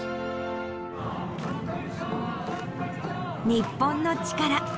『日本のチカラ』